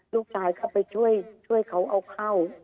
ลูกจ่ายเขาไปช่วยเขาเอาเข้า